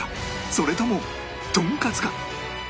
それともとんかつか？